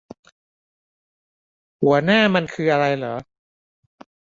หัวหน้ามันคืออะไรหรอ